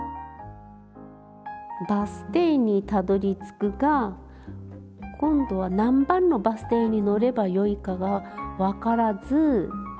バス停にたどりつくが今度は何番のバス停に乗ればよいかが分からずまた